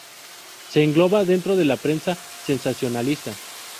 Se engloba dentro de la prensa sensacionalista.